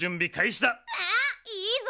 わあいいぞ！